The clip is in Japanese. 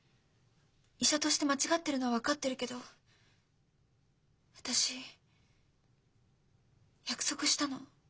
医者として間違ってるのは分かってるけど私約束したの。